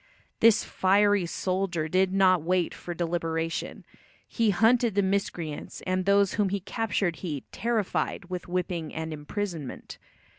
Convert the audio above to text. This fiery soldier did not wait for deliberation. He hunted the miscreants, and those whom he captured he "terrified" with whipping and imprisonment.